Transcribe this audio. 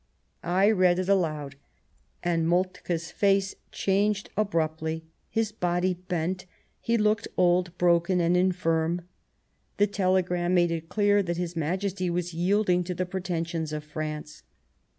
" I read it aloud, and Moltke's face changed abruptly ; his body bent ; he looked old, broken and infirm. The telegram made it clear that his Majesty was yielding to the pretensions of France.